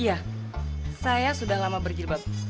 iya saya sudah lama berjilbab